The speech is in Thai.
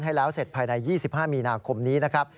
ให้แล้วเสร็จภายใน๒๕มีนาคมนี้นะครับ